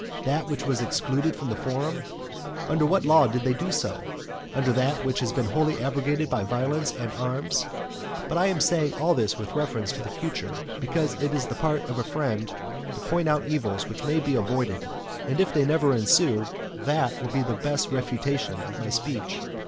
that which was excluded from the forum? Under what law did they do so? under that which has been wholly abrogated by violence and arms? But I am saying all this with reference to the future, because it is the part of a friend to point out evils which may be avoided and if they never ensue, that will be the best refutation of my speech.